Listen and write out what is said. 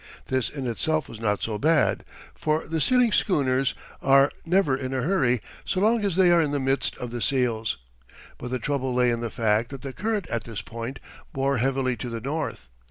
This in itself was not so bad, for the sealing schooners are never in a hurry so long as they are in the midst of the seals; but the trouble lay in the fact that the current at this point bore heavily to the north.